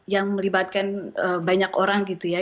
yang melibatkan banyak orang gitu ya